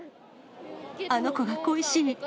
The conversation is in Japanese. あの子が恋しい。